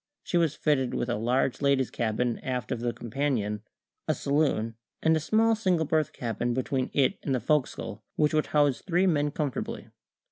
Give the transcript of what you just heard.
She was fitted with a large ladies' cabin aft of the companion, a saloon, and a small single berth cabin between it and the fo'c's'le, which would house three men comfortably.